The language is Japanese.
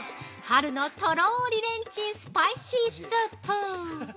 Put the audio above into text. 春のとろりレンチンスパイシースープ。